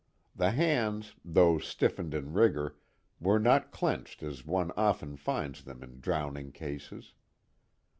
The hands, though stiffened in rigor, were not clenched as one often finds them in drowning cases.